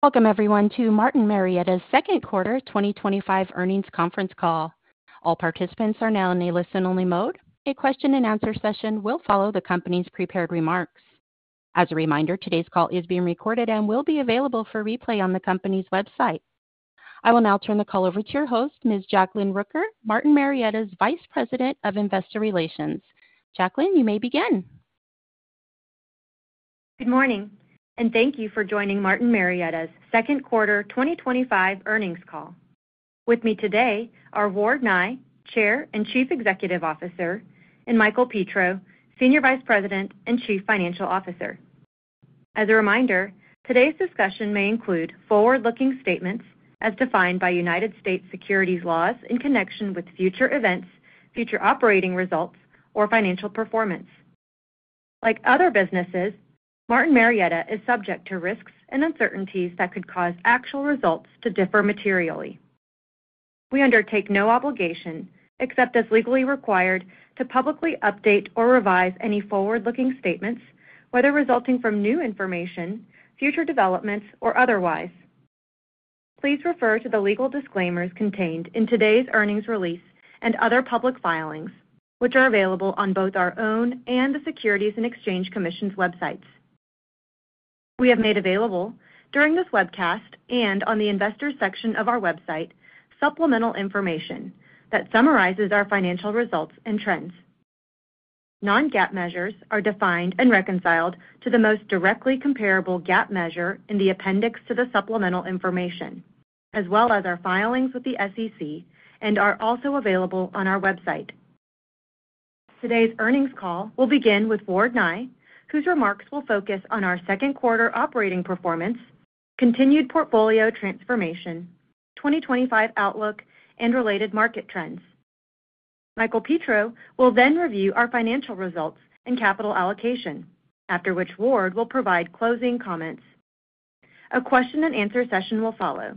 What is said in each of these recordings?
Welcome, everyone, Martin Marietta' second quarter 2025 earnings conference call. All participants are now in a listen-only mode. A question-and-answer session will follow the company's prepared remarks. As a reminder, today's call is being recorded and will be available for replay on the company's website. I will now turn the call over to your host, Ms. Jacklyn Rooker Martin Marietta's Vice President of Investor Relations. Jacklyn, you may begin. Good morning, and thank you for Martin Marietta' second quarter 2025 earnings call. With me today are Ward Nye, Chair and Chief Executive Officer, and Michael Petro, Senior Vice President and Chief Financial Officer. As a reminder, today's discussion may include forward-looking statements as defined by United States securities laws in connection with future events, future operating results, or financial performance. Like other Martin Marietta is subject to risks and uncertainties that could cause actual results to differ materially. We undertake no obligation, except as legally required, to publicly update or revise any forward-looking statements, whether resulting from new information, future developments, or otherwise. Please refer to the legal disclaimers contained in today's earnings release and other public filings, which are available on both our own and the Securities and Exchange Commission's websites. We have made available, during this webcast and on the Investors section of our website, supplemental information that summarizes our financial results and trends. Non-GAAP measures are defined and reconciled to the most directly comparable GAAP measure in the appendix to the supplemental information, as well as our filings with the SEC, and are also available on our website. Today's earnings call will begin with Ward Nye, whose remarks will focus on our second quarter operating performance, continued portfolio transformation, 2025 outlook, and related market trends. Michael Petro will then review our financial results and capital allocation, after which Ward will provide closing comments. A question-and-answer session will follow.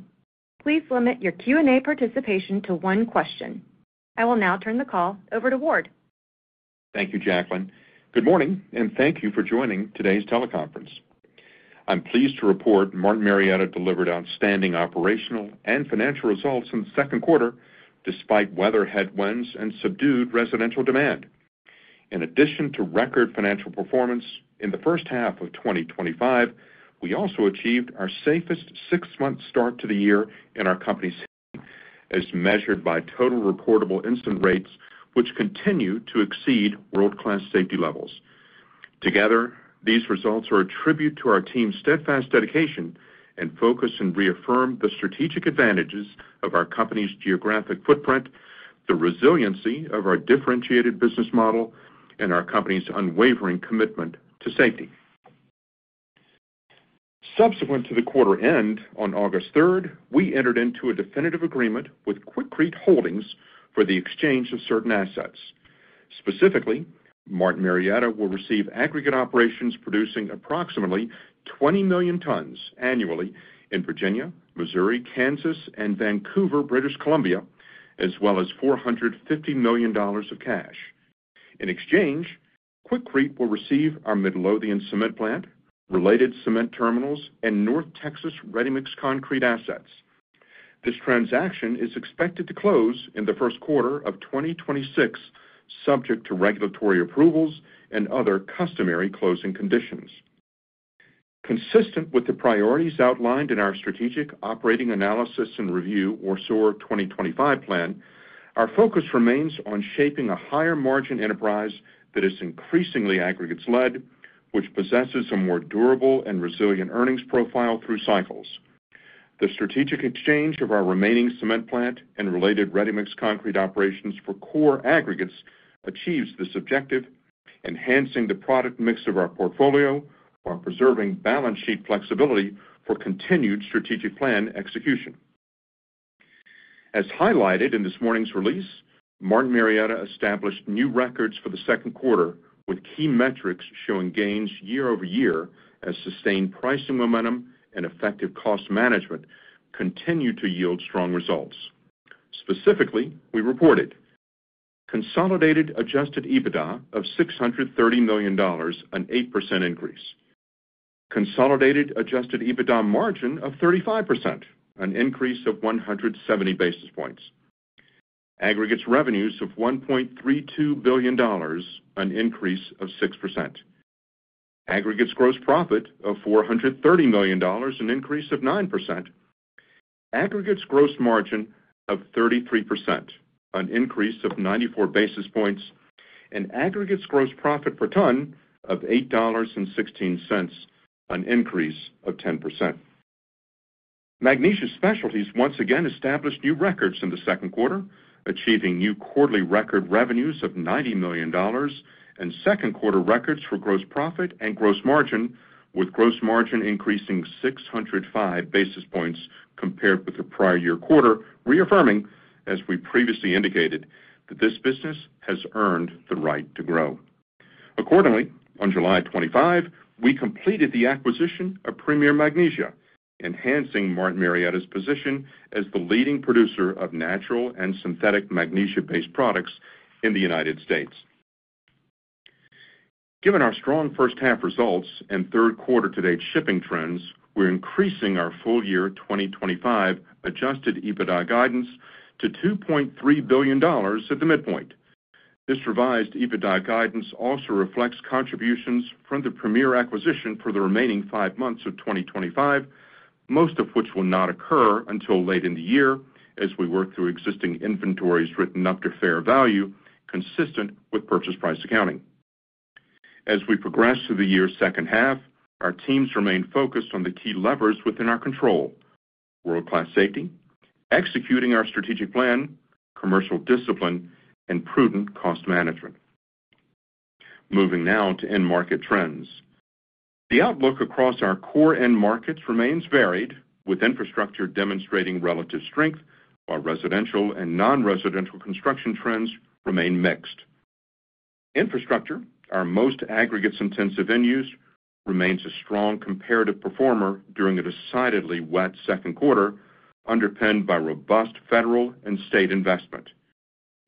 Please limit your Q&A participation to one question. I will now turn the call over to Ward. Thank you, Jacklyn. Good morning, and thank you for joining today's teleconference. I'm pleased to report Martin Marietta delivered outstanding operational and financial results in the second quarter, despite weather headwinds and subdued residential demand. In addition to record financial performance in the first half of 2025, we also achieved our safest six-month start to the year in our company's history, as measured by total reportable incident rates, which continue to exceed world-class safety levels. Together, these results are a tribute to our team's steadfast dedication and focus in reaffirming the strategic advantages of our company's geographic footprint, the resiliency of our differentiated business model, and our company's unwavering commitment to safety. Subsequent to the quarter end on August 3rd, we entered into a definitive agreement with Quikrete Holdings for the exchange of certain assets. Specifically, Martin Marietta will receive aggregate operations producing approximately 20 million tons annually in Virginia, Missouri, Kansas, and Vancouver, British Columbia, as well as $450 million of cash. In exchange, Quikrete will receive our Midlothian Cement Plant, related cement terminals, and North Texas ready mixed concrete assets. This transaction is expected to close in the first quarter of 2026, subject to regulatory approvals and other customary closing conditions. Consistent with the priorities outlined in our Strategic Operating Analysis and Review, or SOAR 2025 plan, our focus remains on shaping a higher margin enterprise that is increasingly aggregates-led, which possesses a more durable and resilient earnings profile through cycles. The strategic exchange of our remaining cement plant and related ready mixed concrete operations for core aggregates achieves this objective, enhancing the product mix of our portfolio while preserving balance sheet flexibility for continued strategic plan execution. As highlighted in this morning's release, Martin Marietta established new records for the second quarter, with key metrics showing gains year-over-year as sustained pricing momentum and effective cost management continue to yield strong results. Specifically, we reported: Consolidated Adjusted EBITDA of $630 million, an 8% increase, Consolidated Adjusted EBITDA Margin of 35%, an increase of 170 basis points, Aggregates Revenues of $1.32 billion, an increase of 6%, Aggregates Gross Profit of $430 million, an increase of 9%, Aggregates Gross Margin of 33%, an increase of 94 basis points, and Aggregates Gross Profit per Ton of $8.16, an increase of 10%. Magnesia Specialties once again established new records in the second quarter, achieving new quarterly record revenues of $90 million, and second quarter records for Gross Profit and Gross Margin, with Gross Margin increasing 605 basis points compared with the prior year quarter, reaffirming, as we previously indicated, that this business has earned the right to grow. Accordingly, on July 24, we completed the acquisition of Premier Magnesia, Martin Marietta' position as the leading producer of natural and synthetic magnesium-based products in the United States. Given our strong first-half results and third quarter-to-date shipping trends, we're increasing our full-year 2025 Adjusted EBITDA Guidance to $2.3 billion at the midpoint. This revised EBITDA Guidance also reflects contributions from the Premier acquisition for the remaining five months of 2025, most of which will not occur until late in the year as we work through existing inventories written up to fair value, consistent with purchase price accounting. As we progress through the year's second half, our teams remain focused on the key levers within our control: world-class safety, executing our strategic plan, commercial discipline, and prudent cost management. Moving now to end market trends, the outlook across our core end markets remains varied, with infrastructure demonstrating relative strength, while residential and non-residential construction trends remain mixed. Infrastructure, our most aggregates-intensive end use, remains a strong comparative performer during a decidedly wet second quarter, underpinned by robust federal and state investment.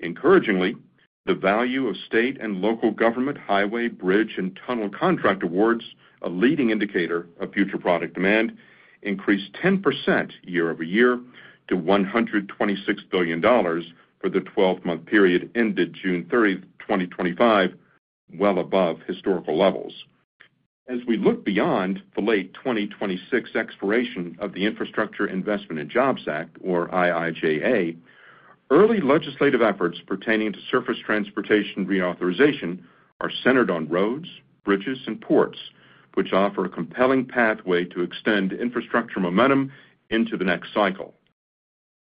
Encouragingly, the value of state and local government highway bridge and tunnel contract awards, a leading indicator of future product demand, increased 10% year-over-year to $126 billion for the 12-month period ended June 30th, 2025, well above historical levels. As we look beyond the late 2026 expiration of the Infrastructure Investment and Jobs Act, or IIJA, early legislative efforts pertaining to surface transportation reauthorization are centered on roads, bridges, and ports, which offer a compelling pathway to extend infrastructure momentum into the next cycle.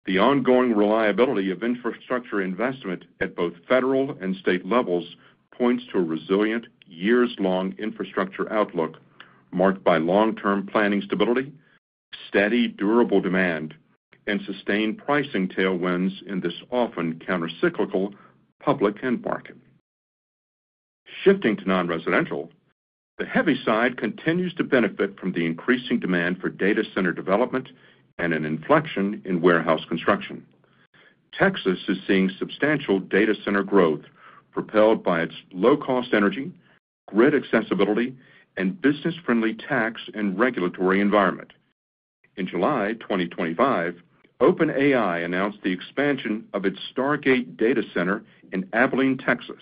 The ongoing reliability of infrastructure investment at both federal and state levels points to a resilient, years-long infrastructure outlook marked by long-term planning stability, steady, durable demand, and sustained pricing tailwinds in this often countercyclical public end market. Shifting to non-residential, the heavy side continues to benefit from the increasing demand for data center development and an inflection in warehouse construction. Texas is seeing substantial data center growth, propelled by its low-cost energy, grid accessibility, and business-friendly tax and regulatory environment. In July 2025, OpenAI announced the expansion of its Stargate data center in Abilene, Texas,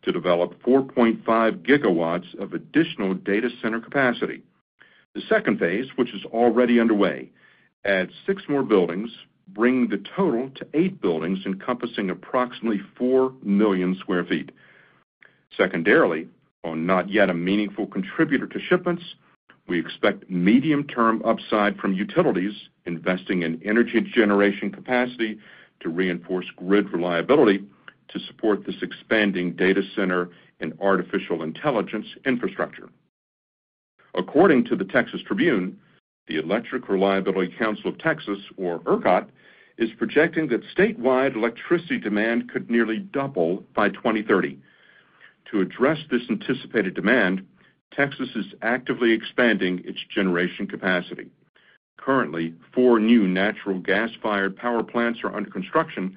to develop 4.5 GW of additional data center capacity. The second phase, which is already underway, adds six more buildings, bringing the total to eight buildings encompassing approximately 4 million square feet. Secondarily, while not yet a meaningful contributor to shipments, we expect medium-term upside from utilities investing in energy generation capacity to reinforce grid reliability to support this expanding data center and artificial intelligence infrastructure. According to the Texas Tribune, the Electric Reliability Council of Texas, or ERCOT, is projecting that statewide electricity demand could nearly double by 2030. To address this anticipated demand, Texas is actively expanding its generation capacity. Currently, four new natural gas-fired power plants are under construction,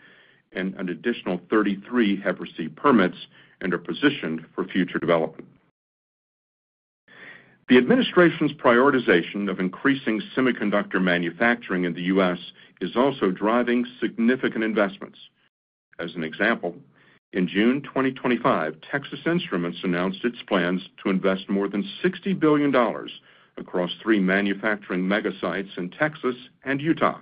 and an additional 33 have received permits and are positioned for future development. The administration's prioritization of increasing semiconductor manufacturing in the U.S. is also driving significant investments. As an example, in June 2025, Texas Instruments announced its plans to invest more than $60 billion across three manufacturing megasites in Texas and Utah.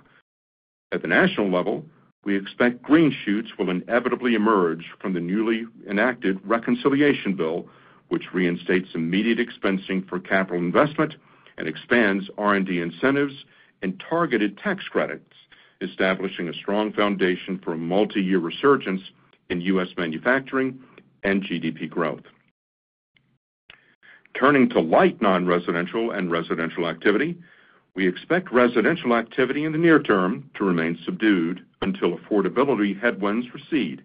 At the national level, we expect green shoots will inevitably emerge from the newly enacted reconciliation bill, which reinstates immediate expensing for capital investment and expands R&D incentives and targeted tax credits, establishing a strong foundation for a multi-year resurgence in the U.S. Manufacturing and GDP growth. Turning to light non-residential and residential activity, we expect residential activity in the near term to remain subdued until affordability headwinds recede.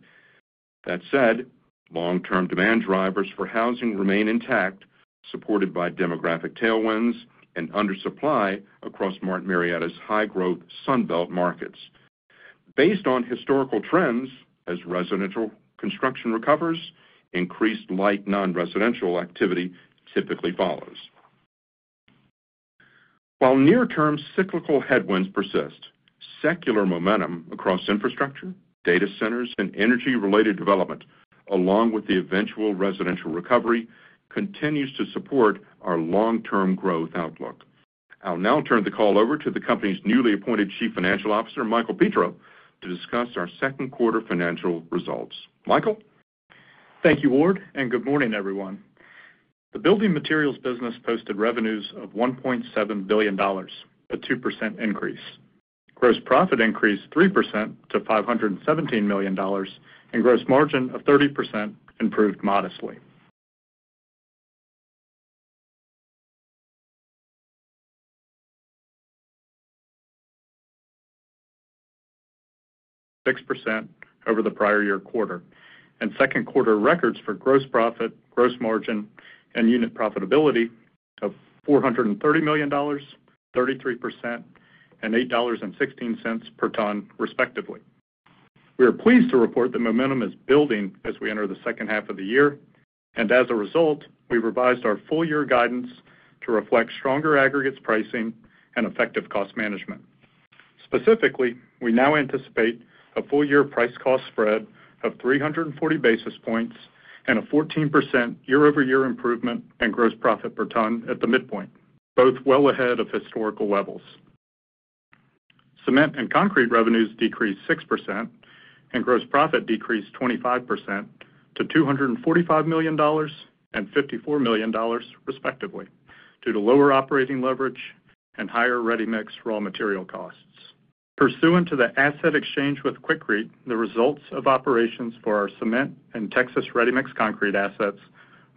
That said, long-term demand drivers for housing remain intact, supported by demographic tailwinds and undersupply across Martin Marietta's high-growth Sunbelt markets. Based on historical trends, as residential construction recovers, increased light non-residential activity typically follows. While near-term cyclical headwinds persist, secular momentum across infrastructure, data centers, and energy-related development, along with the eventual residential recovery, continues to support our long-term growth outlook. I'll now turn the call over to the company's newly appointed Chief Financial Officer, Michael Petro, to discuss our second quarter financial results. Michael? Thank you, Ward, and good morning, everyone. The building materials business posted revenues of $1.7 billion, a 2% increase. Gross profit increased 3% to $517 million, and gross margin of 30% improved modestly. 6% over the prior year quarter, and second quarter records for gross profit, gross margin, and unit profitability of $430 million, 33%, and $8.16 per ton, respectively. We are pleased to report that momentum is building as we enter the second half of the year, and as a result, we revised our full-year guidance to reflect stronger aggregates pricing and effective cost management. Specifically, we now anticipate a full-year price cost spread of 340 basis points and a 14% year-over-year improvement in gross profit per ton at the midpoint, both well ahead of historical levels. Cement and concrete revenues decreased 6%, and gross profit decreased 25% to $245 million and $54 million, respectively, due to lower operating leverage and higher ready-mixed raw material costs. Pursuant to the asset exchange with Quikrete, the results of operations for our cement and Texas ready-mixed concrete assets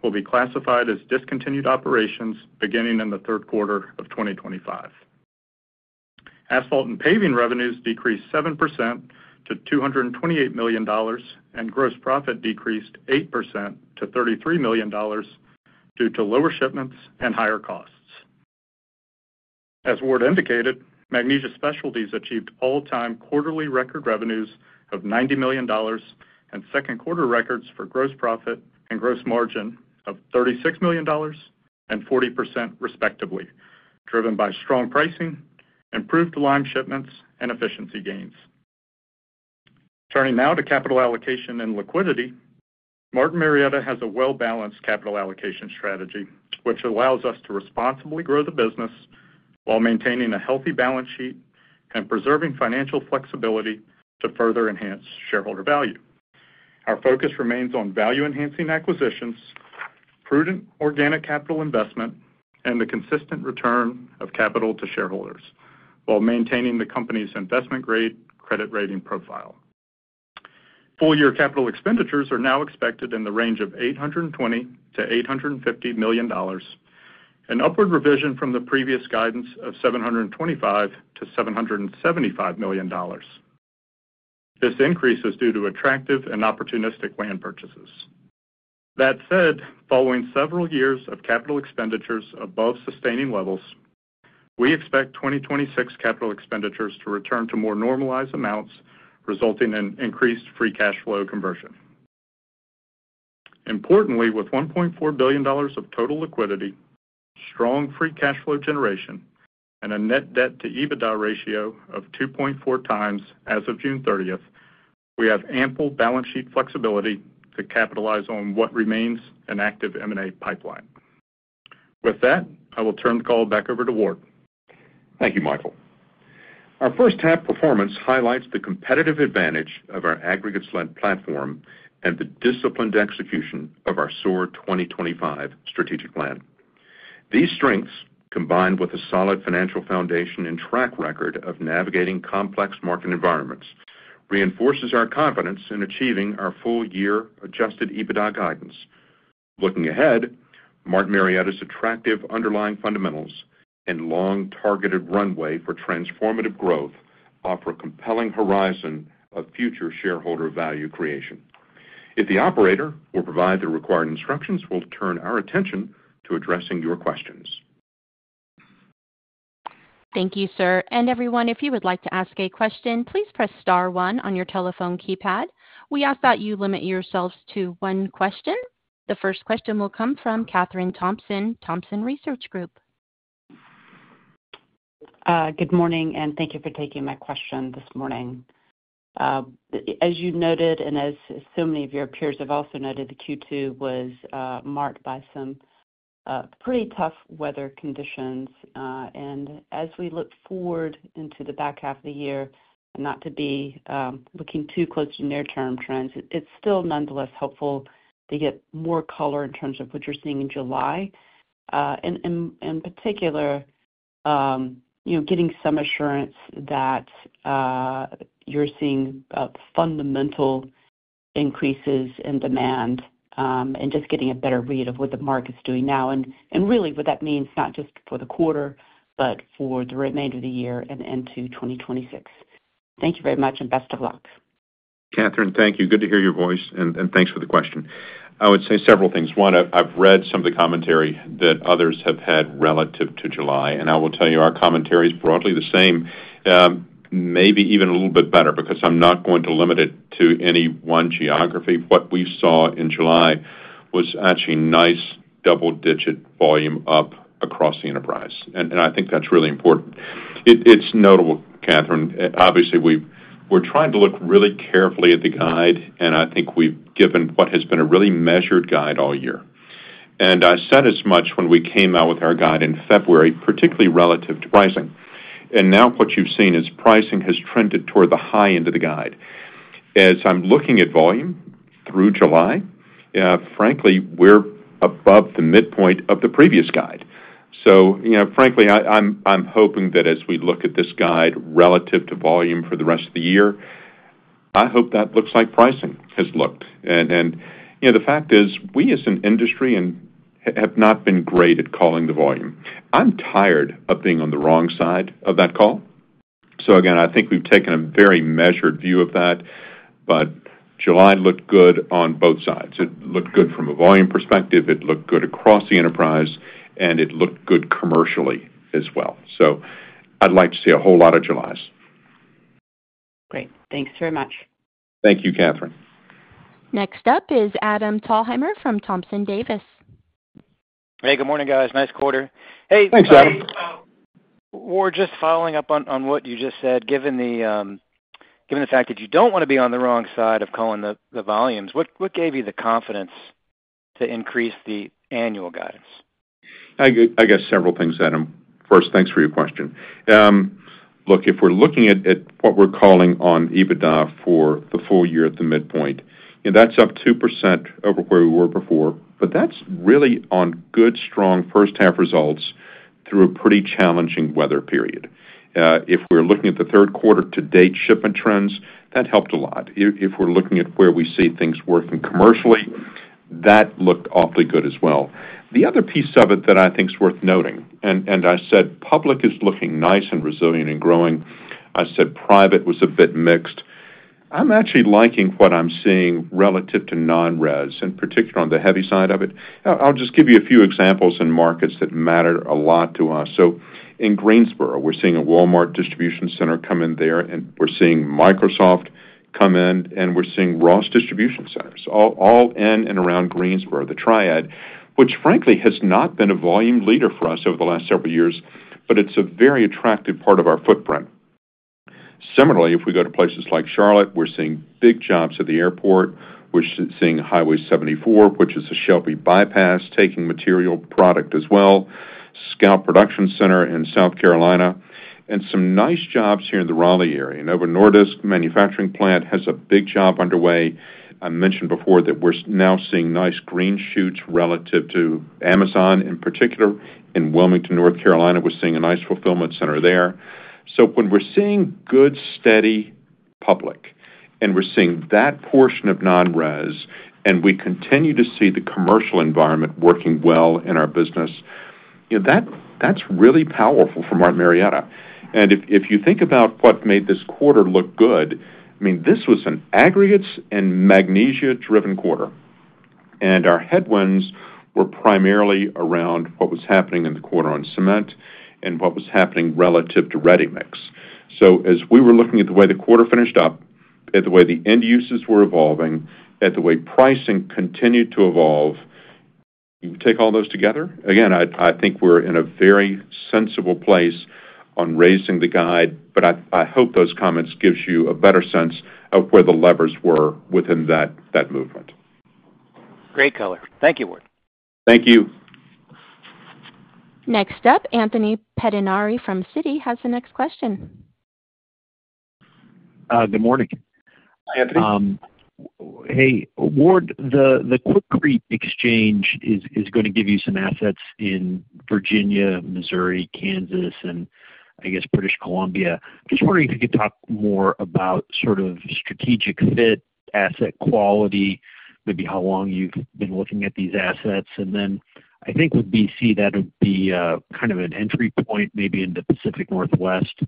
will be classified as discontinued operations beginning in the third quarter of 2025. Asphalt and paving revenues decreased 7% to $228 million, and gross profit decreased 8% to $33 million due to lower shipments and higher costs. As Ward indicated, Magnesia Specialties achieved all-time quarterly record revenues of $90 million and second quarter records for gross profit and gross margin of $36 million and 40%, respectively, driven by strong pricing, improved line shipments, and efficiency gains. Turning now to capital allocation and liquidity Martin Marietta has a well-balanced capital allocation strategy, which allows us to responsibly grow the business while maintaining a healthy balance sheet and preserving financial flexibility to further enhance shareholder value. Our focus remains on value-enhancing acquisitions, prudent organic capital investment, and the consistent return of capital to shareholders while maintaining the company's investment-grade credit rating profile. Full-year capital expenditures are now expected in the range of $820 million-$850 million, an upward revision from the previous guidance of $725 million-$775 million. This increase is due to attractive and opportunistic land purchases. That said, following several years of capital expenditures above sustaining levels, we expect 2026 capital expenditures to return to more normalized amounts, resulting in increased free cash flow conversion. Importantly, with $1.4 billion of total liquidity, strong free cash flow generation, and a net debt-to-EBITDA ratio of 2.4x as of June 30th, we have ample balance sheet flexibility to capitalize on what remains an active M&A pipeline. With that, I will turn the call back over to Ward. Thank you, Michael. Our first-half performance highlights the competitive advantage of our aggregates-led platform and the disciplined execution of our SOAR 2025 strategic plan. These strengths, combined with a solid financial foundation and track record of navigating complex market environments, reinforce our confidence in achieving our full-year Adjusted EBITDA guidance. Looking Martin Marietta' attractive underlying fundamentals and long targeted runway for transformative growth offer a compelling horizon of future shareholder value creation. If the operator will provide the required instructions, we'll turn our attention to addressing your questions. Thank you, sir. If you would like to ask a question, please press star one on your telephone keypad. We ask that you limit yourselves to one question. The first question will come from Kathryn Thompson, Thompson Research Group. Good morning, and thank you for taking my question this morning. As you noted, and as so many of your peers have also noted, Q2 was marked by some pretty tough weather conditions. As we look forward into the back half of the year, not to be looking too close to near-term trends, it's still nonetheless helpful to get more color in terms of what you're seeing in July. In particular, you know, getting some assurance that you're seeing fundamental increases in demand and just getting a better read of what the market's doing now and really what that means not just for the quarter, but for the remainder of the year and into 2026. Thank you very much, and best of luck. Kathryn, thank you. Good to hear your voice, and thanks for the question. I would say several things. One, I've read some of the commentary that others have had relative to July, and I will tell you our commentary is broadly the same, maybe even a little bit better, because I'm not going to limit it to any one geography. What we saw in July was actually nice double-digit volume up across the enterprise, and I think that's really important. It's notable, Kathryn. Obviously, we're trying to look really carefully at the guide, and I think we've given what has been a really measured guide all year. I said as much when we came out with our guide in February, particularly relative to pricing. Now what you've seen is pricing has trended toward the high end of the guide. As I'm looking at volume through July, frankly, we're above the midpoint of the previous guide. Frankly, I'm hoping that as we look at this guide relative to volume for the rest of the year, I hope that looks like pricing has looked. The fact is, we as an industry have not been great at calling the volume. I'm tired of being on the wrong side of that call. I think we've taken a very measured view of that, but July looked good on both sides. It looked good from a volume perspective. It looked good across the enterprise, and it looked good commercially as well. I'd like to see a whole lot of Julies. Great, thanks very much. Thank you, Kathryn. Next up is Adam Thalhimer from Thompson Davis. Hey, good morning, guys. Nice quarter. Thanks, Adam. We're just following up on what you just said. Given the fact that you don't want to be on the wrong side of calling the volumes, what gave you the confidence to increase the annual guidance? I guess several things, Adam. First, thanks for your question. Look, if we're looking at what we're calling on EBITDA for the full year at the midpoint, you know, that's up 2% over where we were before, but that's really on good, strong first-half results through a pretty challenging weather period. If we're looking at the third quarter to date shipment trends, that helped a lot. If we're looking at where we see things working commercially, that looked awfully good as well. The other piece of it that I think is worth noting, I said public is looking nice and resilient and growing. I said private was a bit mixed. I'm actually liking what I'm seeing relative to non-res, in particular on the heavy side of it. I'll just give you a few examples in markets that matter a lot to us. In Greensboro, we're seeing a Walmart distribution center come in there, and we're seeing Microsoft come in, and we're seeing Ross distribution centers, all in and around Greensboro, the triad, which frankly has not been a volume leader for us over the last several years, but it's a very attractive part of our footprint. Similarly, if we go to places like Charlotte, we're seeing big jobs at the airport. We're seeing Highway 74, which is a Shelby bypass, taking material product as well, Scout Production Center in South Carolina, and some nice jobs here in the Raleigh area. Novo Nordisk manufacturing plant has a big job underway. I mentioned before that we're now seeing nice green shoots relative to Amazon in particular, and Wilmington, North Carolina, we're seeing a nice fulfillment center there. When we're seeing good, steady public, and we're seeing that portion of non-res, and we continue to see the commercial environment working well in our business, you know, that's really powerful for Martin Marietta. If you think about what made this quarter look good, I mean, this was an aggregates and Magnesia-driven quarter, and our headwinds were primarily around what was happening in the quarter on cement and what was happening relative to ready mixed concrete. As we were looking at the way the quarter finished up, at the way the end uses were evolving, at the way pricing continued to evolve, you take all those together, again, I think we're in a very sensible place on raising the guide. I hope those comments give you a better sense of where the levers were within that movement. Great color. Thank you, Ward. Thank you. Next up, Anthony Pettinari from Citi has the next question. Good morning. Anthony. Hey, Ward, the Quikrete exchange is going to give you some assets in Virginia, Missouri, Kansas, and I guess British Columbia. I'm just wondering if you could talk more about sort of strategic fit, asset quality, maybe how long you've been looking at these assets. I think with British Columbia, that would be kind of an entry point maybe in the Pacific Northwest.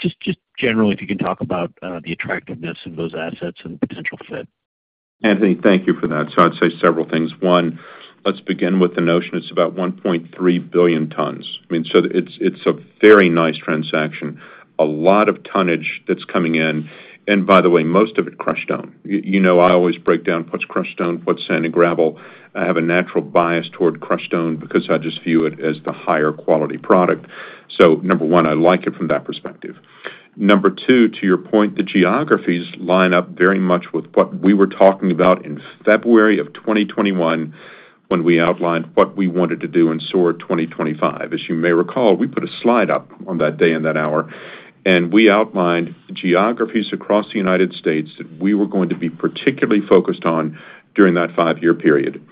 Just generally, if you can talk about the attractiveness of those assets and the potential fit. Anthony, thank you for that. I'd say several things. One, let's begin with the notion it's about 1.3 billion tons. It's a very nice transaction, a lot of tonnage that's coming in. By the way, most of it is crushed stone. I always break down what's crushed stone, what's sand and gravel. I have a natural bias toward crushed stone because I just view it as the higher quality product. Number one, I like it from that perspective. Number two, to your point, the geographies line up very much with what we were talking about in February of 2021 when we outlined what we wanted to do in SOAR 2025. As you may recall, we put a slide up on that day and that hour, and we outlined geographies across the U.S. that we were going to be particularly focused on during that five-year period.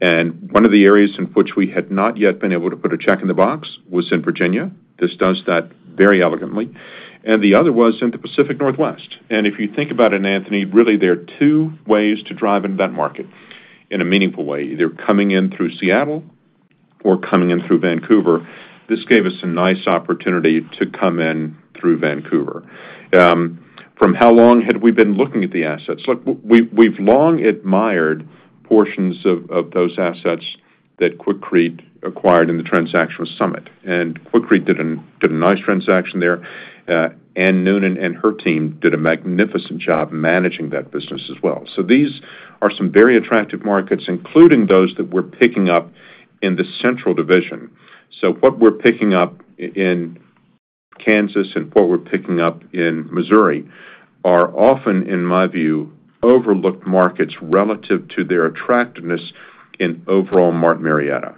One of the areas in which we had not yet been able to put a check in the box was in Virginia. This does that very elegantly. The other was in the Pacific Northwest. If you think about it, Anthony, really, there are two ways to drive in that market in a meaningful way. They're coming in through Seattle or coming in through Vancouver. This gave us a nice opportunity to come in through Vancouver. From how long had we been looking at the assets? We've long admired portions of those assets that Quikrete acquired in the transaction with Summit. Quikrete did a nice transaction there. Anne Noonan and her team did a magnificent job managing that business as well. These are some very attractive markets, including those that we're picking up in the Central Division. What we're picking up in Kansas and what we're picking up in Missouri are often, in my view, overlooked markets relative to their attractiveness in overall Martin Marietta.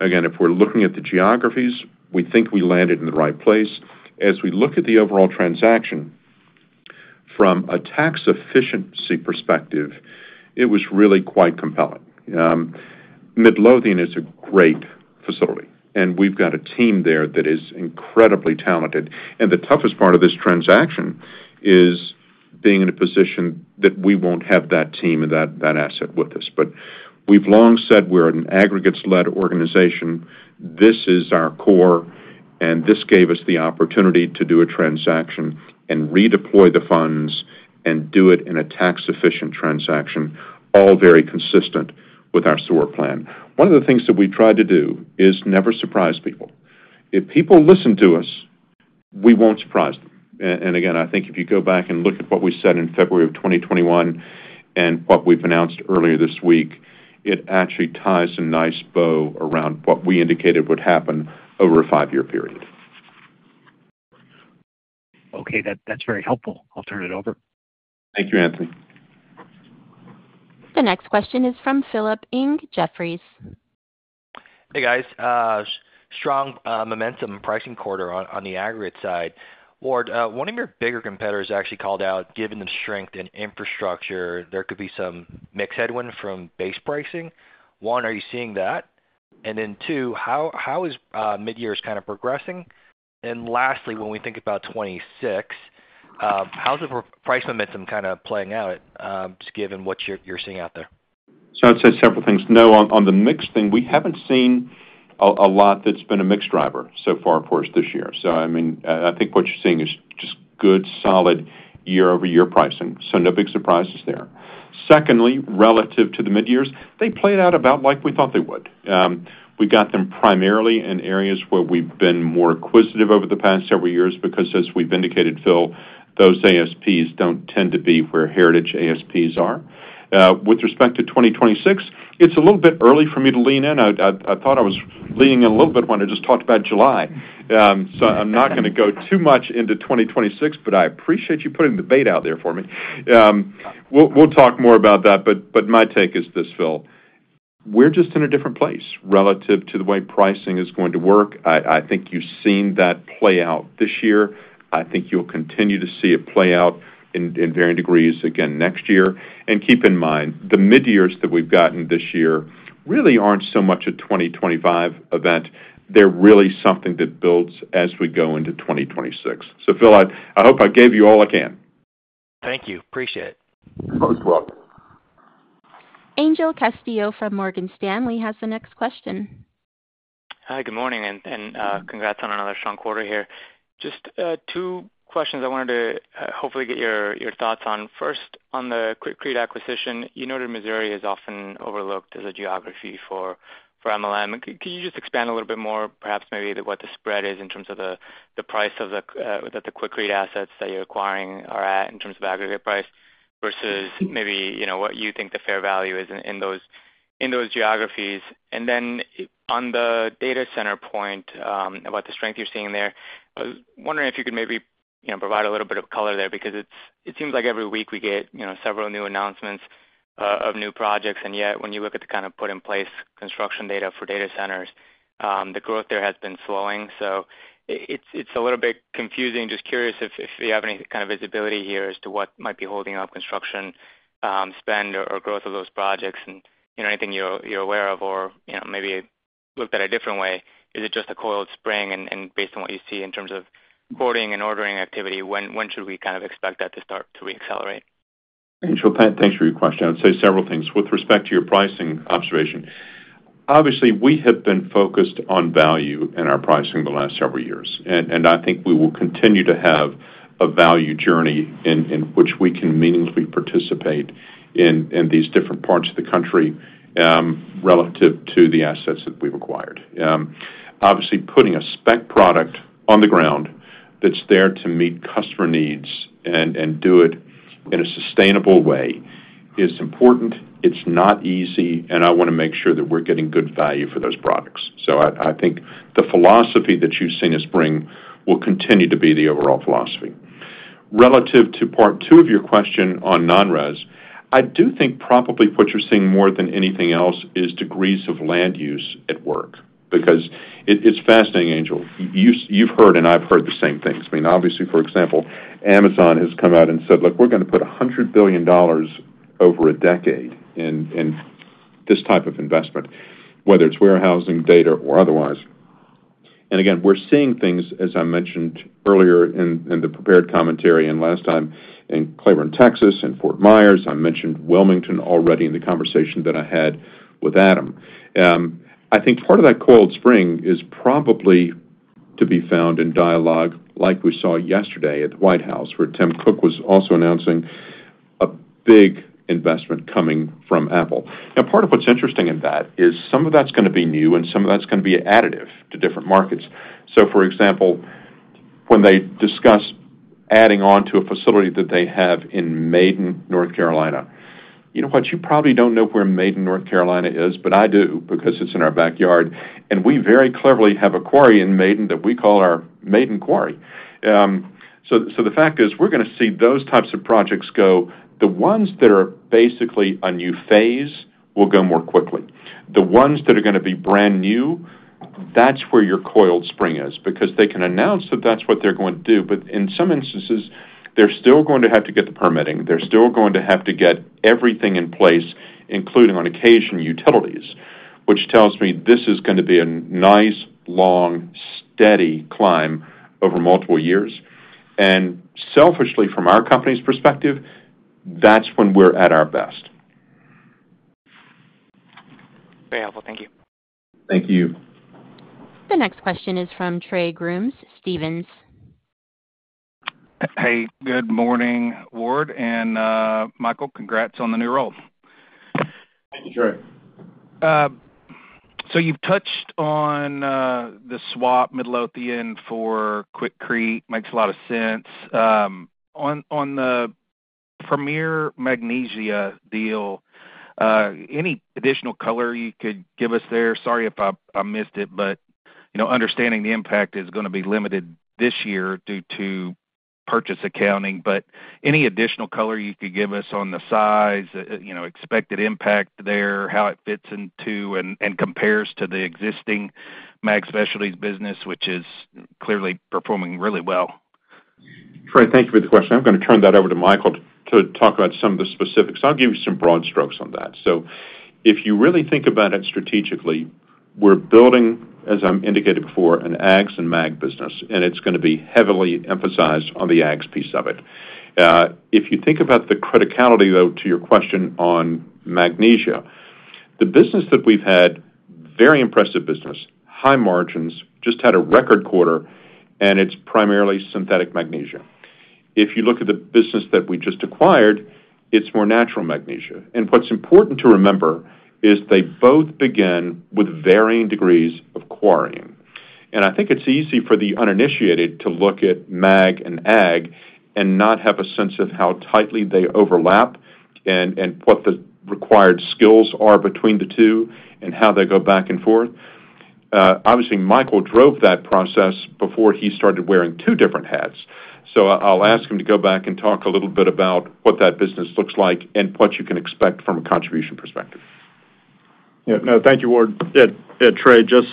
If we're looking at the geographies, we think we landed in the right place. As we look at the overall transaction, from a tax efficiency perspective, it was really quite compelling. Midlothian is a great facility, and we've got a team there that is incredibly talented. The toughest part of this transaction is being in a position that we won't have that team and that asset with us. We've long said we're an aggregates-led organization. This is our core, and this gave us the opportunity to do a transaction and redeploy the funds and do it in a tax-efficient transaction, all very consistent with our SOAR plan. One of the things that we try to do is never surprise people. If people listen to us, we won't surprise them. I think if you go back and look at what we said in February of 2021 and what we've announced earlier this week, it actually ties a nice bow around what we indicated would happen over a five-year period. Okay, that's very helpful. I'll turn it over. Thank you, Anthony. The next question is from Philip Ng in Jefferies. Hey, guys. Strong momentum pricing quarter on the aggregate side. Ward, one of your bigger competitors actually called out, given the strength in infrastructure, there could be some mixed headwind from base pricing. One, are you seeing that? Two, how is mid-years kind of progressing? Lastly, when we think about 2026, how's the price momentum kind of playing out, just given what you're seeing out there? I'd say several things. No, on the mix thing, we haven't seen a lot that's been a mix driver so far for us this year. I think what you're seeing is just good, solid year-over-year pricing. No big surprises there. Secondly, relative to the mid-years, they played out about like we thought they would. We got them primarily in areas where we've been more acquisitive over the past several years because, as we've indicated, Phil, those ASPs don't tend to be where heritage ASPs are. With respect to 2026, it's a little bit early for me to lean in. I thought I was leaning in a little bit when I just talked about July. I'm not going to go too much into 2026, but I appreciate you putting the bait out there for me. We'll talk more about that. My take is this, Phil. We're just in a different place relative to the way pricing is going to work. I think you've seen that play out this year. I think you'll continue to see it play out in varying degrees again next year. Keep in mind, the mid-years that we've gotten this year really aren't so much a 2025 event. They're really something that builds as we go into 2026. Phil, I hope I gave you all I can. Thank you. Appreciate it. Oh, it's welcome. Angel Castillo from Morgan Stanley has the next question. Hi, good morning, and congrats on another strong quarter here. Just two questions I wanted to hopefully get your thoughts on. First, on the Quikrete acquisition, you noted Missouri is often overlooked as a Martin Marietta. Can you just expand a little bit more, perhaps maybe what the spread is in terms of the price of the Quikrete assets that you're acquiring are at in terms of aggregate price versus maybe, you know, what you think the fair value is in those geographies. On the data center point, about the strength you're seeing there, I was wondering if you could maybe, you know, provide a little bit of color there because it seems like every week we get several new announcements of new projects. Yet, when you look at the kind of put-in-place construction data for data centers, the growth there has been slowing. It's a little bit confusing. Just curious if you have any kind of visibility here as to what might be holding up construction spend or growth of those projects and, you know, anything you're aware of or, you know, maybe looked at a different way. Is it just a coiled spring? Based on what you see in terms of boarding and ordering activity, when should we kind of expect that to start to re-accelerate? Angel, Pat, thanks for your question. I'd say several things. With respect to your pricing observation, obviously, we have been focused on value in our pricing the last several years. I think we will continue to have a value journey in which we can meaningfully participate in these different parts of the country relative to the assets that we've acquired. Obviously, putting a spec product on the ground that's there to meet customer needs and do it in a sustainable way is important. It's not easy, and I want to make sure that we're getting good value for those products. I think the philosophy that you've seen us bring will continue to be the overall philosophy. Relative to part two of your question on non-res, I do think probably what you're seeing more than anything else is degrees of land use at work because it's fascinating, Angel. You've heard and I've heard the same things. For example, Amazon has come out and said, "Look, we're going to put $100 billion over a decade in this type of investment, whether it's warehousing, data, or otherwise." We're seeing things, as I mentioned earlier in the prepared commentary and last time in Cleburne, Texas, in Fort Myers. I mentioned Wilmington already in the conversation that I had with Adam. I think part of that coiled spring is probably to be found in dialogue like we saw yesterday at the White House where Tim Cook was also announcing a big investment coming from Apple. Part of what's interesting in that is some of that's going to be new and some of that's going to be an additive to different markets. For example, when they discuss adding on to a facility that they have in Maiden, North Carolina, you know what? You probably don't know where Maiden, North Carolina is, but I do because it's in our backyard. We very cleverly have a quarry in Maiden that we call our Maiden Quarry. The fact is we're going to see those types of projects go. The ones that are basically a new phase will go more quickly. The ones that are going to be brand new, that's where your coiled spring is because they can announce that that's what they're going to do. In some instances, they're still going to have to get the permitting. They're still going to have to get everything in place, including on occasion utilities, which tells me this is going to be a nice, long, steady climb over multiple years. Selfishly, from our company's perspective, that's when we're at our best. Very helpful. Thank you. Thank you. The next question is from Trey Grooms, Stephens. Hey, good morning, Ward. Michael, congrats on the new role. Thank you, Trey. You've touched on the swap of Midlothian for Quikrete. Makes a lot of sense. On the Premier Magnesia deal, any additional color you could give us there? Sorry if I missed it, but understanding the impact is going to be limited this year due to purchase accounting. Any additional color you could give us on the size, expected impact there, how it fits into and compares to the existing Magnesia business, which is clearly performing really well? Trey, thank you for the question. I'm going to turn that over to Michael to talk about some of the specifics. I'll give you some broad strokes on that. If you really think about it strategically, we're building, as I'm indicating before, an Ags and Mag business, and it's going to be heavily emphasized on the [Ags] piece of it. If you think about the criticality to your question on Magnesia, the business that we've had, very impressive business, high margins, just had a record quarter, and it's primarily synthetic Magnesia. If you look at the business that we just acquired, it's more natural Magnesia. What's important to remember is they both begin with varying degrees of quarrying. I think it's easy for the uninitiated to look at Mag and Ag and not have a sense of how tightly they overlap and what the required skills are between the two and how they go back and forth. Obviously, Michael drove that process before he started wearing two different hats. I'll ask him to go back and talk a little bit about what that business looks like and what you can expect from a contribution perspective. Yeah. No, thank you, Ward. Yeah, Trey, you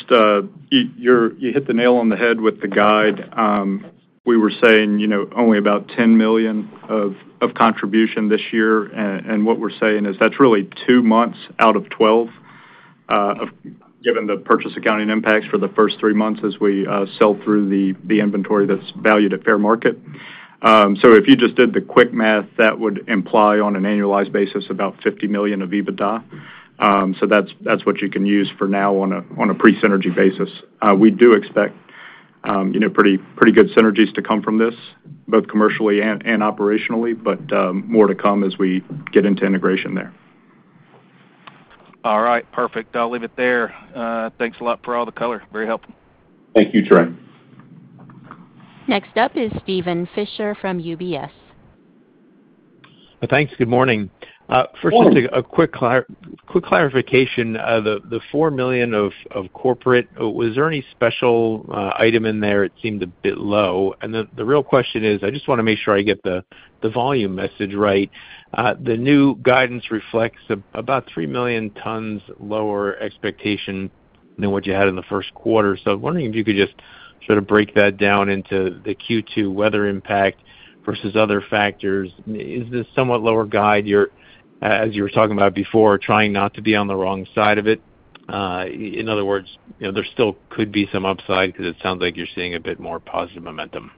hit the nail on the head with the guide. We were saying only about $10 million of contribution this year. What we're saying is that's really two months out of 12, given the purchase accounting impacts for the first three months as we sell through the inventory that's valued at fair market. If you just did the quick math, that would imply on an annualized basis about $50 million of EBITDA. That's what you can use for now on a pre-synergy basis. We do expect pretty good synergies to come from this, both commercially and operationally, but more to come as we get into integration there. All right, perfect. I'll leave it there. Thanks a lot for all the color. Very helpful. Thank you, Trey. Next up is Steven Fisher from UBS. Thanks. Good morning. First, just a quick clarification. The $4 million of corporate, was there any special item in there? It seemed a bit low. The real question is, I just want to make sure I get the volume message right. The new guidance reflects about 3 million tons lower expectation than what you had in the first quarter. I'm wondering if you could just sort of break that down into the Q2 weather impact versus other factors. Is this somewhat lower guide, as you were talking about before, trying not to be on the wrong side of it? In other words, you know, there still could be some upside because it sounds like you're seeing a bit more positive momentum.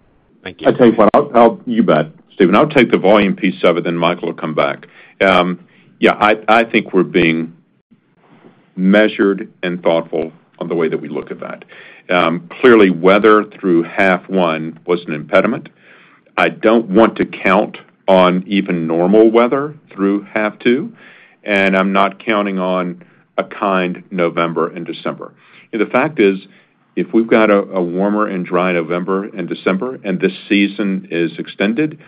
Thank you. I'll tell you what, you bet, Steven, I'll take the volume piece of it and then Michael will come back. I think we're being measured and thoughtful on the way that we look at that. Clearly, weather through half one was an impediment. I don't want to count on even normal weather through half two, and I'm not counting on a kind November and December. The fact is, if we've got a warmer and dry November and December, and this season is extended,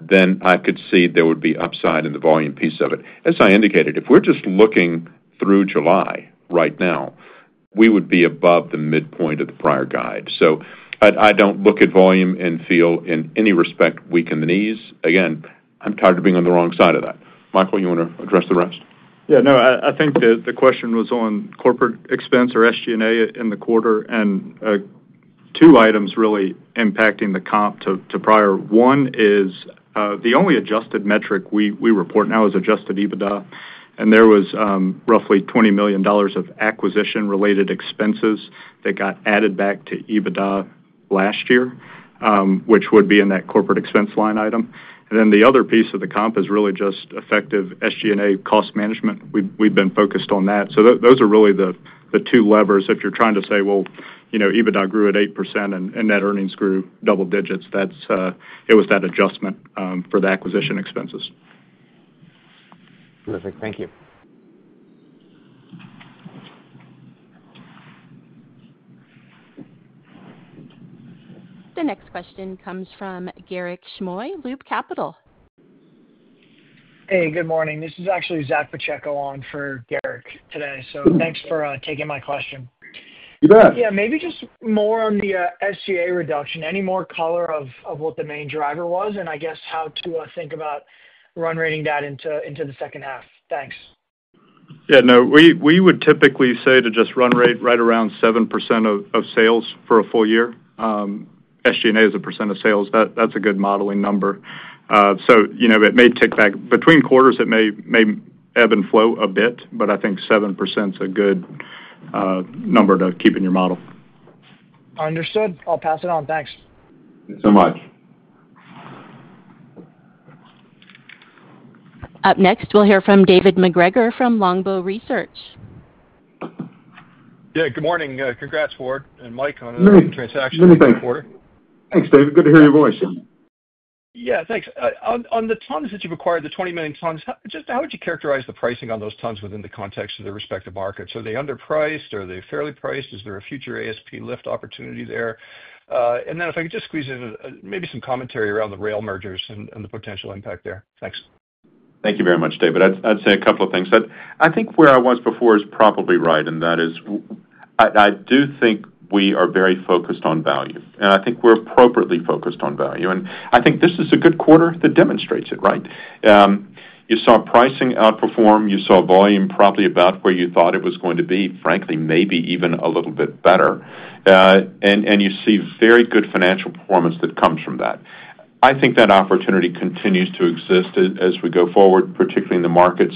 then I could see there would be upside in the volume piece of it. As I indicated, if we're just looking through July right now, we would be above the midpoint of the prior guide. I don't look at volume and feel in any respect weak in the knees. Again, I'm tired of being on the wrong side of that. Michael, you want to address the rest? Yeah, no, I think the question was on corporate expense or SG&A in the quarter, and two items really impacting the comp to prior. One is the only adjusted metric we report now is Adjusted EBITDA, and there was roughly $20 million of acquisition-related expenses that got added back to EBITDA last year, which would be in that corporate expense line item. The other piece of the comp is really just effective SG&A cost management. We've been focused on that. Those are really the two levers. If you're trying to say, you know, EBITDA grew at 8% and net earnings grew double digits, it was that adjustment for the acquisition expenses. Perfect. Thank you. The next question comes from Garik Shmois, Loop Capital. Hey, good morning. This is actually Zack Pacheco on for Garik today. Thanks for taking my question. You bet. Yeah, maybe just more on the SG&A reduction. Any more color of what the main driver was, and I guess how to think about run rating that into the second half. Thanks. Yeah, no, we would typically say to just run rate right around 7% of sales for a full year. SG&A is a percentage of sales. That's a good modeling number. It may tick back between quarters. It may ebb and flow a bit, but I think 7% is a good number to keep in your model. Understood. I'll pass it on. Thanks. So much. Up next, we'll hear from David MacGregor from Longbow Research. Yeah, good morning. Congrats, Ward and Mike, on a new transaction in the third quarter. Thanks, David. Good to hear your voice. Yeah, thanks. On the tons that you've acquired, the 20 million tons, just how would you characterize the pricing on those tons within the context of their respective markets? Are they underpriced? Are they fairly priced? Is there a future ASP lift opportunity there? If I could just squeeze in maybe some commentary around the rail mergers and the potential impact there. Thanks. Thank you very much, David. I'd say a couple of things. I think where I was before is probably right, and that is I do think we are very focused on value. I think we're appropriately focused on value. I think this is a good quarter that demonstrates it, right? You saw pricing outperform. You saw volume probably about where you thought it was going to be, frankly, maybe even a little bit better. You see very good financial performance that comes from that. I think that opportunity continues to exist as we go forward, particularly in the markets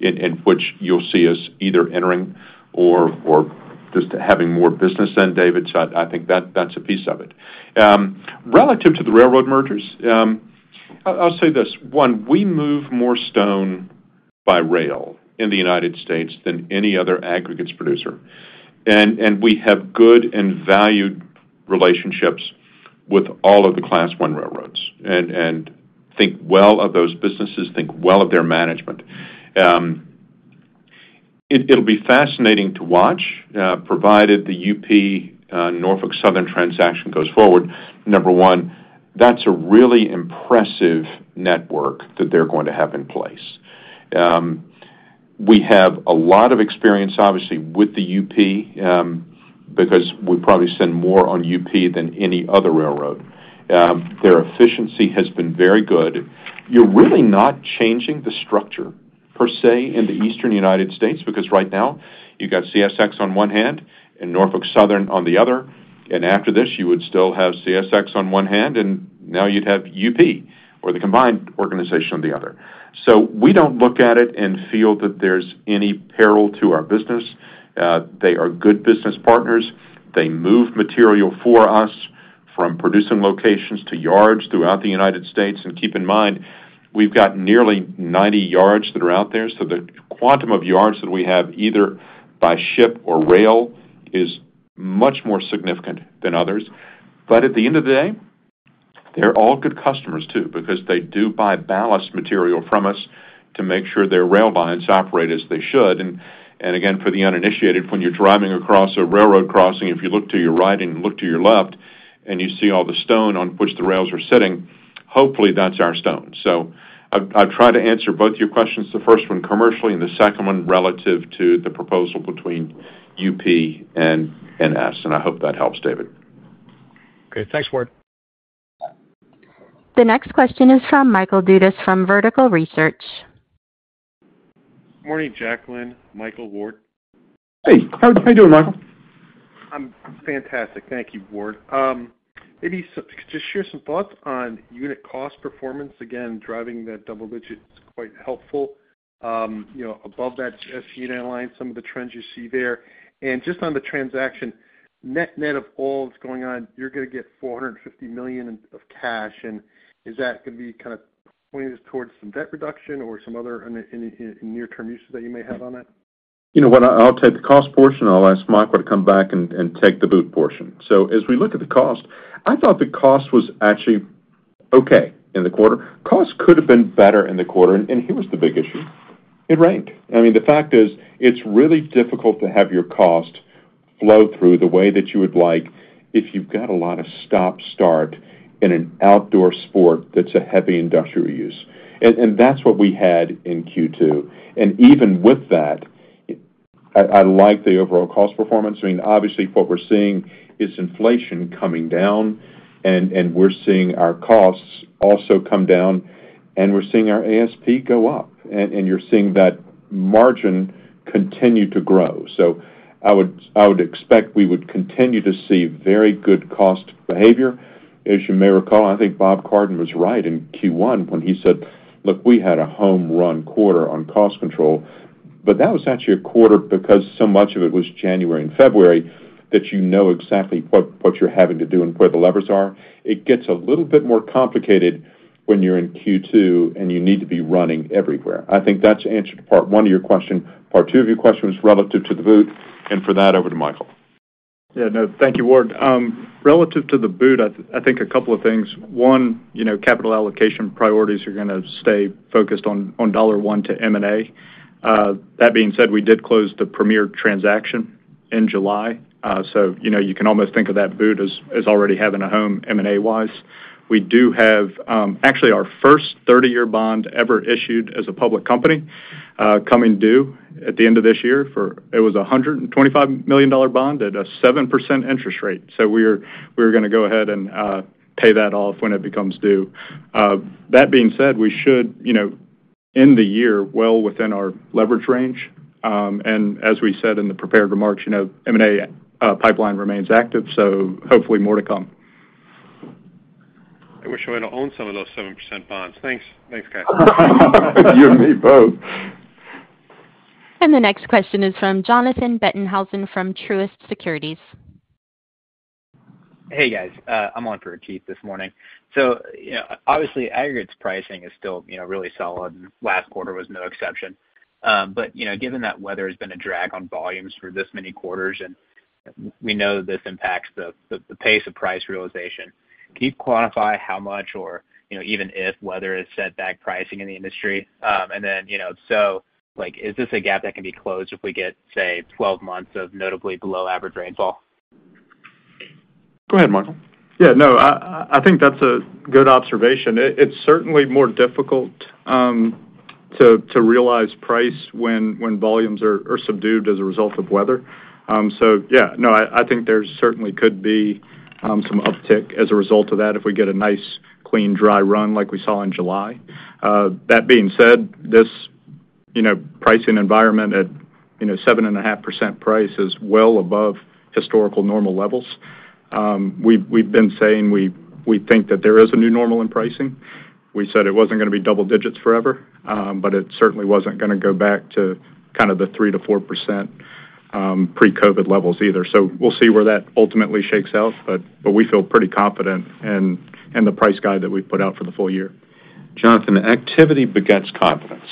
in which you'll see us either entering or just having more business, David. I think that's a piece of it. Relative to the railroad mergers, I'll say this. One, we move more stone by rail in the U.S. than any other aggregates producer. We have good and valued relationships with all of the Class 1 railroads. I think well of those businesses. I think well of their management. It'll be fascinating to watch, provided the UP Norfolk Southern transaction goes forward. Number one, that's a really impressive network that they're going to have in place. We have a lot of experience, obviously, with the UP because we probably send more on UP than any other railroad. Their efficiency has been very good. You're really not changing the structure per se in the Eastern U.S. because right now you've got CSX on one hand and Norfolk Southern on the other. After this, you would still have CSX on one hand and now you'd have UP or the combined organization on the other. We don't look at it and feel that there's any peril to our business. They are good business partners. They move material for us from producing locations to yards throughout the U.S. Keep in mind, we've got nearly 90 yards that are out there. The quantum of yards that we have either by ship or rail is much more significant than others. At the end of the day, they're all good customers too because they do buy ballast material from us to make sure their rail lines operate as they should. Again, for the uninitiated, when you're driving across a railroad crossing, if you look to your right and look to your left and you see all the stone on which the rails are sitting, hopefully that's our stone. I've tried to answer both your questions, the first one commercially and the second one relative to the proposal between UP and NS. I hope that helps, David. Okay, thanks, Ward. The next question is from Michael Dudas from Vertical Research. Morning, Jacklyn. Michael, Ward. Hey, how are you doing, Michael? I'm fantastic. Thank you, Ward. Maybe just share some thoughts on unit cost performance. Again, driving that double digit is quite helpful. You know, above that SG&A line, some of the trends you see there. Just on the transaction, net net of all that's going on, you're going to get $450 million of cash. Is that going to be kind of pointing us towards some debt reduction or some other near-term uses that you may have on that? You know what. I'll take the cost portion. I'll ask Michael to come back and take the boot portion. As we look at the cost, I thought the cost was actually okay in the quarter. Cost could have been better in the quarter. Here was the big issue. It rained. The fact is it's really difficult to have your cost flow through the way that you would like if you've got a lot of stop-start in an outdoor sport that's a heavy industrial use. That's what we had in Q2. Even with that, I like the overall cost performance. Obviously, what we're seeing is inflation coming down, and we're seeing our costs also come down, and we're seeing our ASP go up. You're seeing that margin continue to grow. I would expect we would continue to see very good cost behavior. As you may recall, I think Rob Cardin was right in Q1 when he said, "Look, we had a home run quarter on cost control." That was actually a quarter because so much of it was January and February that you know exactly what you're having to do and where the levers are. It gets a little bit more complicated when you're in Q2 and you need to be running everywhere. I think that's answered part one of your questions. Part two of your questions relative to the boot. For that, over to Michael. Yeah, no, thank you, Ward. Relative to the boot, I think a couple of things. One, you know, capital allocation priorities are going to stay focused on dollar one to M&A. That being said, we did close the Premier transaction in July. You can almost think of that boot as already having a home M&A-wise. We do have actually our first 30-year bond ever issued as a public company coming due at the end of this year. It was a $125 million bond at a 7% interest rate. We're going to go ahead and pay that off when it becomes due. That being said, we should, you know, end the year well within our leverage range. As we said in the prepared remarks, you know, M&A pipeline remains active. Hopefully more to come. I wish I went to own some of those 7% bonds. Thanks, thanks, guys. You and me both. The next question is from Jonathan Bettenhausen from Truist Securities. Hey, guys. I'm on for a [Keith] this morning. Aggregates pricing is still, you know, really solid. Last quarter was no exception. Given that weather has been a drag on volumes for this many quarters, and we know that this impacts the pace of price realization, can you quantify how much, or even if weather has set back pricing in the industry? If so, is this a gap that can be closed if we get, say, 12 months of notably below average rainfall? Go ahead, Michael. I think that's a good observation. It's certainly more difficult to realize price when volumes are subdued as a result of weather. I think there certainly could be some uptick as a result of that if we get a nice, clean, dry run like we saw in July. That being said, this pricing environment at 7.5% price is well above historical normal levels. We've been saying we think that there is a new normal in pricing. We said it wasn't going to be double digits forever, but it certainly wasn't going to go back to kind of the 3%-4% pre-COVID levels either. We'll see where that ultimately shakes out, but we feel pretty confident in the price guide that we've put out for the full year. Jonathan, activity begets confidence.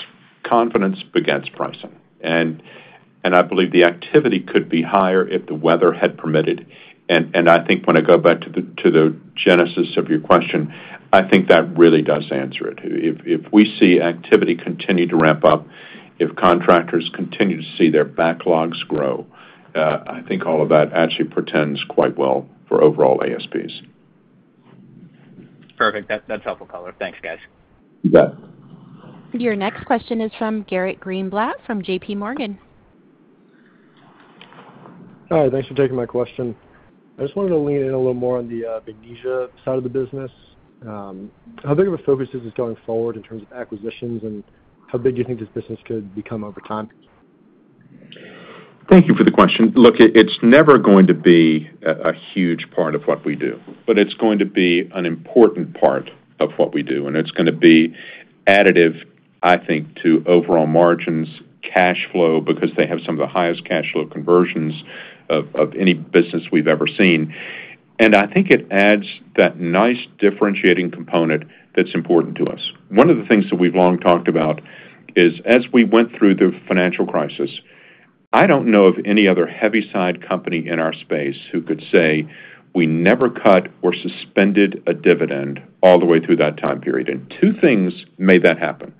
Confidence begets pricing. I believe the activity could be higher if the weather had permitted. I think when I go back to the genesis of your question, that really does answer it. If we see activity continue to ramp up, if contractors continue to see their backlogs grow, I think all of that actually portends quite well for overall ASPs. Perfect. That's helpful color. Thanks, guys. You bet. Your next question is from Garrett Greenblatt from JPMorgan. Hi, thanks for taking my question. I just wanted to lean in a little more on the Magnesia side of the business. How big of a focus is this going forward in terms of acquisitions and how big do you think this business could become over time? Thank you for the question. Look, it's never going to be a huge part of what we do, but it's going to be an important part of what we do. It's going to be additive, I think, to overall margins, cash flow, because they have some of the highest cash flow conversions of any business we've ever seen. I think it adds that nice differentiating component that's important to us. One of the things that we've long talked about is, as we went through the financial crisis, I don't know of any other heavy-side company in our space who could say we never cut or suspended a dividend all the way through that time period. Two things made that happen.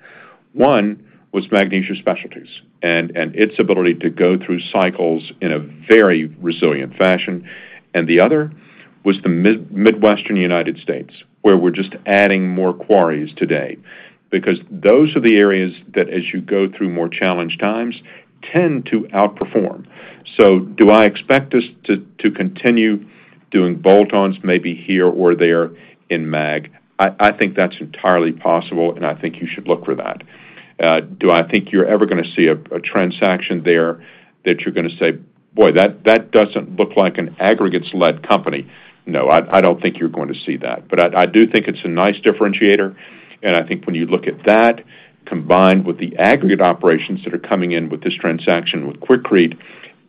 One was Magnesia Specialties and its ability to go through cycles in a very resilient fashion. The other was the Midwestern United States, where we're just adding more quarries today, because those are the areas that, as you go through more challenged times, tend to outperform. Do I expect us to continue doing bolt-ons maybe here or there in Mag? I think that's entirely possible, and I think you should look for that. Do I think you're ever going to see a transaction there that you're going to say, boy, that doesn't look like an aggregates-led company? No, I don't think you're going to see that. I do think it's a nice differentiator. I think when you look at that, combined with the aggregate operations that are coming in with this transaction with Quikrete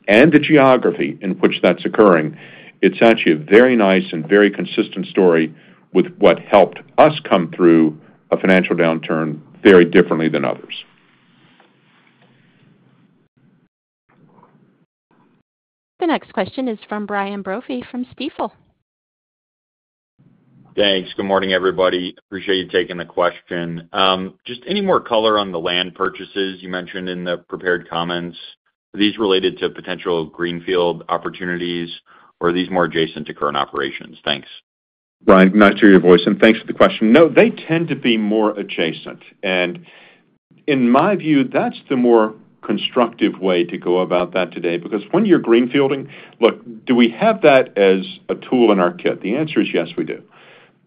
and the geography in which that's occurring, it's actually a very nice and very consistent story with what helped us come through a financial downturn very differently than others. The next question is from Brian Brophy from Stifel. Thanks. Good morning, everybody. Appreciate you taking the question. Just any more color on the land purchases you mentioned in the prepared comments. Are these related to potential greenfield opportunities, or are these more adjacent to current operations? Thanks. Brian, nice to hear your voice, and thanks for the question. No, they tend to be more adjacent. In my view, that's the more constructive way to go about that today, because when you're greenfielding, do we have that as a tool in our kit? The answer is yes, we do.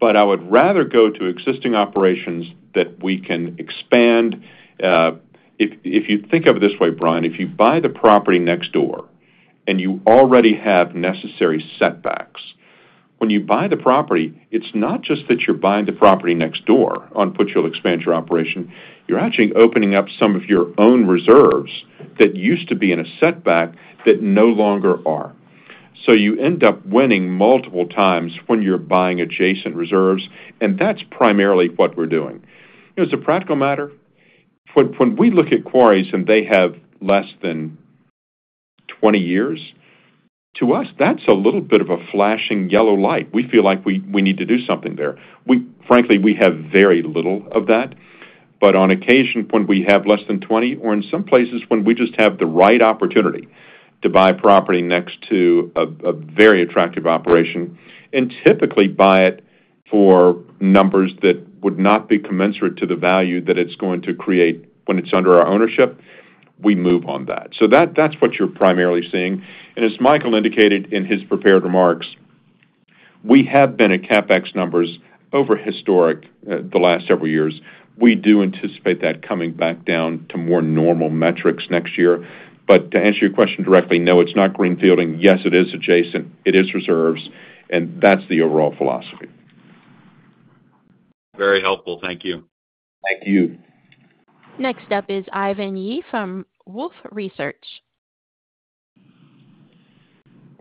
I would rather go to existing operations that we can expand. If you think of it this way, Brian, if you buy the property next door and you already have necessary setbacks, when you buy the property, it's not just that you're buying the property next door and you expand your operation. You're actually opening up some of your own reserves that used to be in a setback that no longer are. You end up winning multiplex when you're buying adjacent reserves. That's primarily what we're doing. As a practical matter, when we look at quarries and they have less than 20 years, to us, that's a little bit of a flashing yellow light. We feel like we need to do something there. Frankly, we have very little of that. On occasion, when we have less than 20, or in some places when we just have the right opportunity to buy a property next to a very attractive operation, and typically buy it for numbers that would not be commensurate to the value that it's going to create when it's under our ownership, we move on that. That's what you're primarily seeing. As Michael indicated in his prepared remarks, we have been at CapEx numbers over historic the last several years. We do anticipate that coming back down to more normal metrics next year. To answer your question directly, no, it's not greenfielding. Yes, it is adjacent. It is reserves. That's the overall philosophy. Very helpful. Thank you. Thank you. Next up is Ivan Yi from Wolfe Research.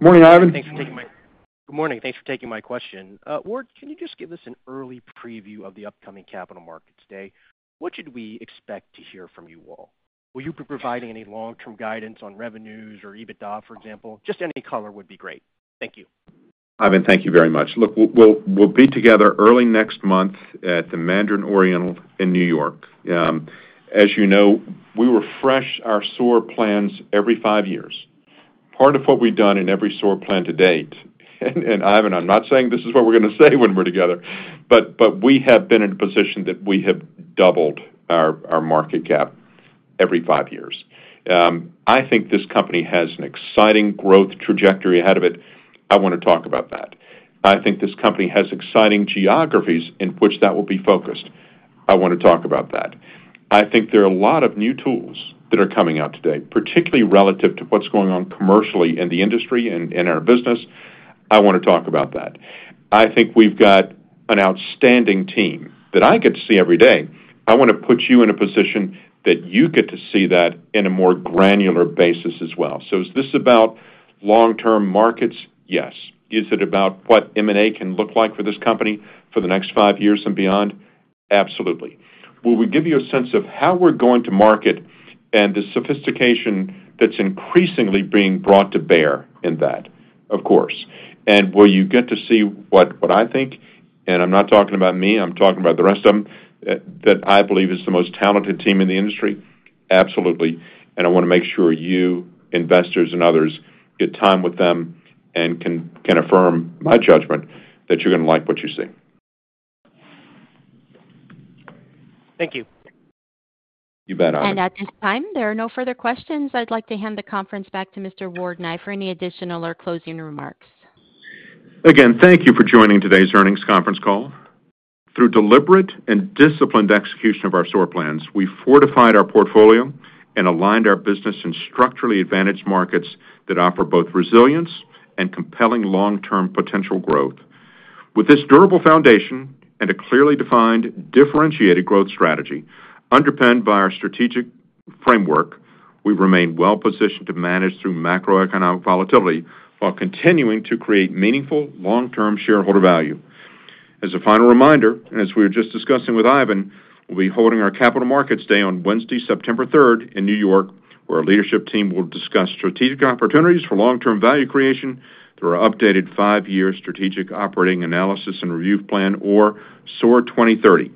Morning, Ivan. Thanks for taking my question. Good morning. Thanks for taking my question. Ward, can you just give us an early preview of the upcoming capital markets day? What should we expect to hear from you all? Will you be providing any long-term guidance on revenues or EBITDA, for example? Just any color would be great. Thank you. Ivan, thank you very much. Look, we'll be together early next month at the Mandarin Oriental in New York. As you know, we refresh our SOAR plans every five years. Part of what we've done in every SOAR plan to date, and Ivan, I'm not saying this is what we're going to say when we're together, but we have been in a position that we have doubled our market cap every five years. I think this company has an exciting growth trajectory ahead of it. I want to talk about that. I think this company has exciting geographies in which that will be focused. I want to talk about that. I think there are a lot of new tools that are coming out today, particularly relative to what's going on commercially in the industry and in our business. I want to talk about that. I think we've got an outstanding team that I get to see every day. I want to put you in a position that you get to see that in a more granular basis as well. Is this about long-term markets? Yes. Is it about what M&A can look like for this company for the next five years and beyond? Absolutely. Will we give you a sense of how we're going to market and the sophistication that's increasingly being brought to bear in that? Of course. Will you get to see what I think, and I'm not talking about me, I'm talking about the rest of them, that I believe is the most talented team in the industry? Absolutely. I want to make sure you, investors, and others get time with them and can affirm my judgment that you're going to like what you see. Thank you. You bet, Ivan. At this time, there are no further questions. I'd like to hand the conference back to Mr. Ward Nye for any additional or closing remarks. Again, thank you for joining today's earnings conference call. Through deliberate and disciplined execution of our SOAR plans, we fortified our portfolio and aligned our business in structurally advantaged markets that offer both resilience and compelling long-term potential growth. With this durable foundation and a clearly defined, differentiated growth strategy underpinned by our strategic framework, we remain well-positioned to manage through macroeconomic volatility while continuing to create meaningful long-term shareholder value. As a final reminder, and as we were just discussing with Ivan, we'll be holding our Capital Markets Day on Wednesday, September 3rd, in New York, where our leadership team will discuss strategic opportunities for long-term value creation through our updated five-year strategic operating analysis and review plan or SOAR 2030.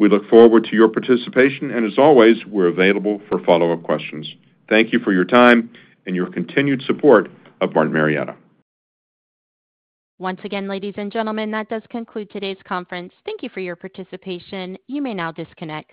We look forward to your participation, and as always, we're available for follow-up questions. Thank you for your time and your continued support of Martin Marietta. Once again, ladies and gentlemen, that does conclude today's conference. Thank you for your participation. You may now disconnect.